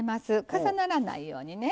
重ならないようにね。